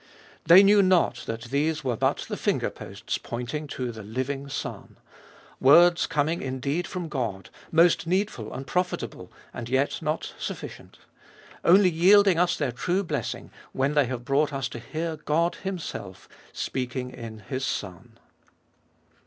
They knew not that these were but the finger posts pointing to the living Son, — words coming indeed from God, most needful and profitable, and yet not sufficient ; only yielding us their true blessing when they have brought us to hear God Himself speaking in His Son.